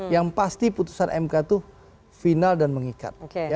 yang pasti putusan mk itu final dan mengikat